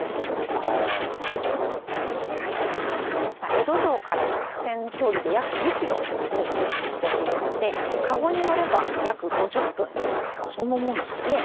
江戸城から直線距離で約２ｋｍに位置しておりましてそんなもんですかね。